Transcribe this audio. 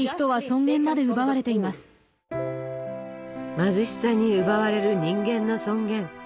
貧しさに奪われる人間の尊厳。